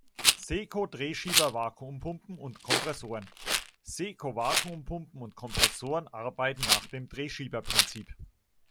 Seco Drehschieber-Vakuumpumpen und -Kompressoren: Seco Vakuumpumpen und Kompressoren arbeiten nach dem Drehschieber-Prinzip.